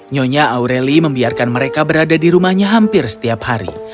nyonya aureli membiarkan mereka berada di rumahnya hampir setiap hari